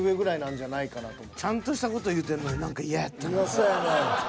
そやねん。